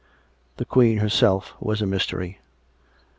The Queen herself was a mystery.